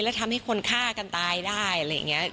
แล้วทำให้คนฆ่ากันตายได้อะไรอย่างนี้